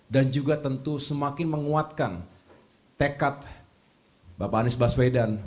dan juga tentu semakin menguatkan tekad bapak anies baswedan